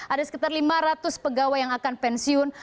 ada sekitar lima ratus pegawai yang akan pensiun